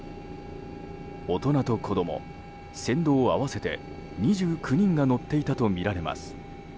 大人と子供、船頭合わせて２９人が乗っていたとみられます。